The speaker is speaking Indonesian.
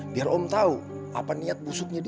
biar om tahu apa niat busuknya dia